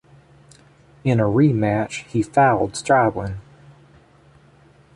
In a rematch, he fouled Stribling.